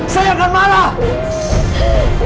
saya akan marah